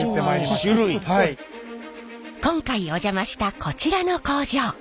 今回お邪魔したこちらの工場。